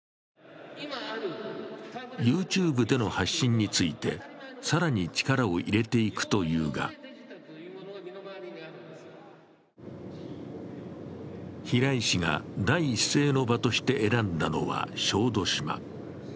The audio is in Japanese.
ＹｏｕＴｕｂｅでの発信について更に力を入れていくというが平井氏が第一声の場として選んだのは小豆島。